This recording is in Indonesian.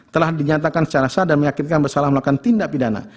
telah dinyatakan secara sah dan meyakinkan bersalah melakukan tindak pidana